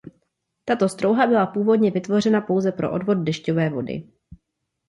Tato strouha byla původně vytvořena pouze pro odvod dešťové vody.